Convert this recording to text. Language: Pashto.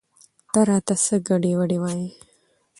ته راته څه ګډې وګډې وايې؟